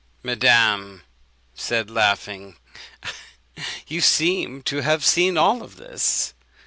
Madame said, laughing, 'You seem to have seen all this.'